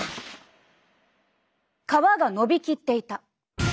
皮がのびきっていた。